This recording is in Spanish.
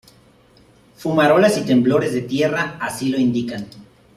Fumarolas y temblores de tierra así lo indican.